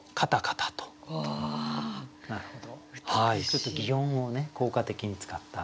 ちょっと擬音を効果的に使った。